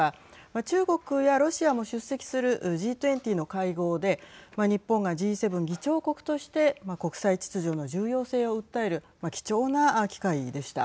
中国やロシアも出席するＧ２０の会合で日本がＧ７議長国として国際秩序の重要性を訴える貴重な機会でした。